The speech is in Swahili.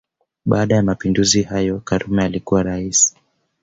Baada ya Mapinduzi hayo karume alikuwa Rais